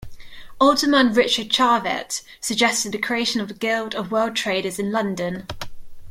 Alderman Richard Charvet suggested the creation of the Guild of World Traders in London.